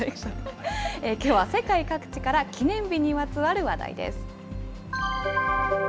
きょうは世界各地から記念日にまつわる話題です。